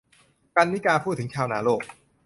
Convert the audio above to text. กรรณิการ์ พูดถึง ชาวนาโลก